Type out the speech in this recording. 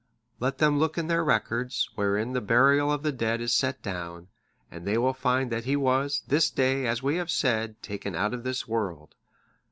Let them look in their records,(629) wherein the burial of the dead is set down, and they will find that he was, this day, as we have said, taken out of this world.